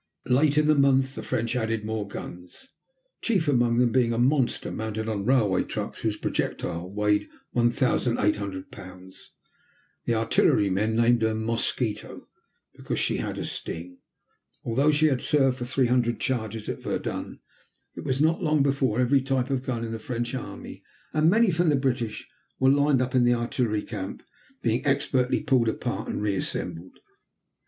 Late in the month the French added more guns, chief among them being a monster mounted on railway trucks whose projectile weighed 1,800 pounds. The artillerymen named her "Mosquito," "because she had a sting," although she had served for 300 charges at Verdun. It was not long before every type of gun in the French Army, and many from the British, were lined up in the artillery camp, being expertly pulled apart and reassembled.